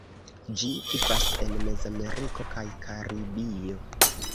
Ĝi vivas en Mezameriko kaj Karibio.